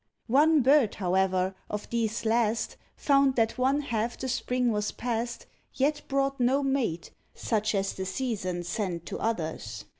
One bird, however, of these last, Found that one half the spring was past, Yet brought no mate, such as the season sent To others.